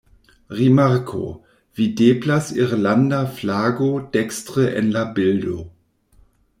Rimarko: Videblas irlanda flago dekstre en la bildo.